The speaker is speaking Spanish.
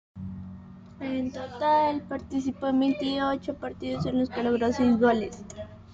En total, participó en veintiocho partidos en los que logró seis goles.